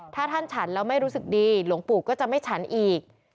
ถ้าท่านฉันแล้วไม่รู้สึกดีหลวงปู่ก็จะไม่ฉันอีก